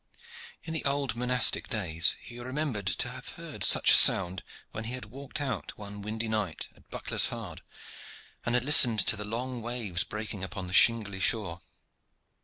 In the old monastic days he remembered to have heard such a sound when he had walked out one windy night at Bucklershard, and had listened to the long waves breaking upon the shingly shore.